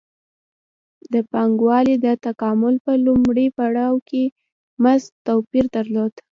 د پانګوالۍ د تکامل په لومړي پړاو کې مزد توپیر درلود